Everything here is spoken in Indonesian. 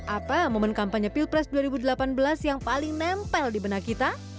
apa momen kampanye pilpres dua ribu delapan belas yang paling nempel di benak kita